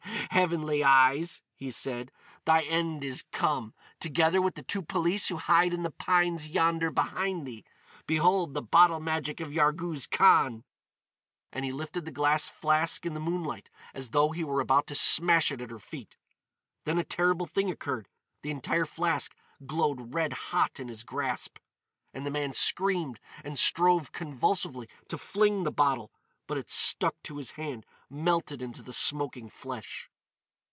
"Heavenly Eyes," he said, "thy end is come—together with the two police who hide in the pines yonder behind thee! Behold the bottle magic of Yarghouz Khan!" And he lifted the glass flask in the moonlight as though he were about to smash it at her feet. Then a terrible thing occurred. The entire flask glowed red hot in his grasp; and the man screamed and strove convulsively to fling the bottle; but it stuck to his hand, melted into the smoking flesh.